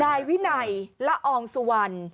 นายวินัยละอองสุวรรณ